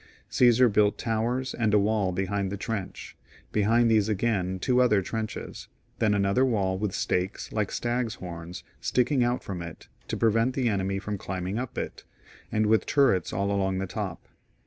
Caesar built towers and a wall behind the trench ; be hind these again two other trenches, then another wall with stakes like stags' horns sticking out from it to prevent the enemy from climbing up it, and with turrets all along the top.